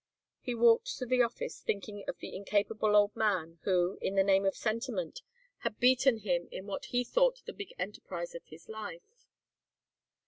He walked to the office thinking of the incapable old man who, in the name of sentiment, had beaten him in what he thought the big enterprise of his life.